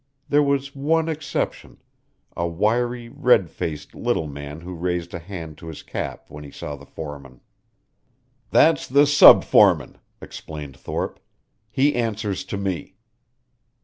There was one exception, a wiry, red faced little man who raised a hand to his cap when he saw the foreman. "That's the sub foreman," explained Thorpe. "He answers to me."